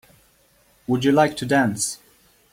Would you like to dance?